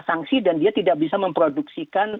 sanksi dan dia tidak bisa memproduksikan